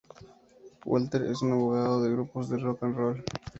Walter es un abogado de grupos de Rock and roll.